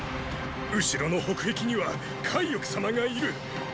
後ろの北壁には介億様がいる！